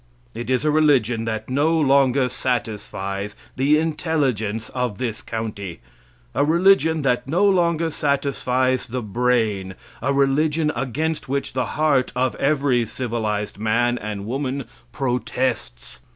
It is a religion that no longer satisfies the intelligence of this county; a religion that no longer satisfies the brain; a religion against which the heart of every civilized man and woman protests.